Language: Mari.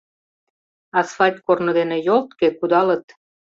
Асфальт корно дене йолтке кудалыт.